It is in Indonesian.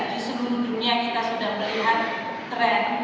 di seluruh dunia kita sudah melihat tren